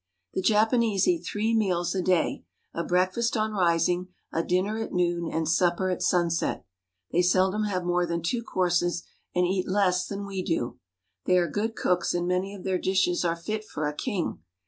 The Japanese eat three meals a day ; a breakfast on ris ing, a dinner at noon, and supper at sunset. They seldom have more than two courses, and eat less than we do. They are good cooks, and many of their dishes are fit for a king.